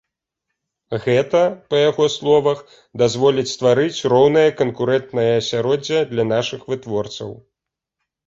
Гэта, па яго словах, дазволіць стварыць роўнае канкурэнтнае асяроддзе для нашых вытворцаў.